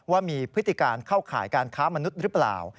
ว่ามีพฤติการเข้าข่ายการค้ามนุษย์หรือเปล่า